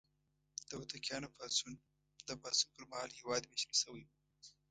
د هوتکیانو پاڅون: د پاڅون پر مهال هېواد ویشل شوی و.